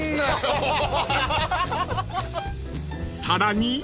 ［さらに］